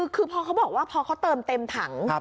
คือพอเขาบอกว่าพอเขาเติมเต็มถัง